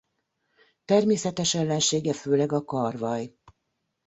Természetes ellensége főleg a karvaly.